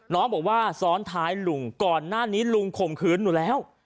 น้องบอกว่าซ้อนท้ายลุงก่อนหน้านี้ลุงข่มขืนอยู่แล้ว